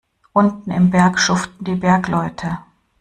Unten im Berg schuften die Bergleute.